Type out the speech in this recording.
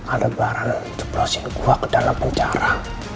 ada barang jeprosin gua ke dalam penjara